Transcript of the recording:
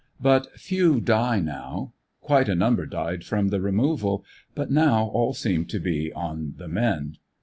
But few die now; quite a number died from the removal, but now all seem to be on the mend.